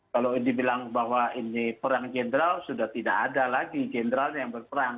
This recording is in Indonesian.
kalau dibilang bahwa ini perang jenderal sudah tidak ada lagi jenderalnya yang berperang